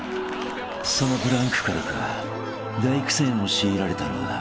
［そのブランクからか大苦戦を強いられたのだ］